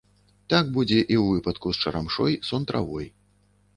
Так будзе ў выпадку з чарамшой, сон-травой.